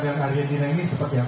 yang argentina ini seperti apa